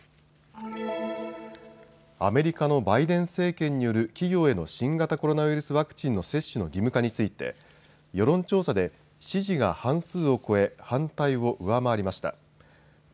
アメリカのバイデン政権による企業への新型コロナウイルスワクチンの接種の義務化について世論調査で支持が半数を超え反対を上回りました。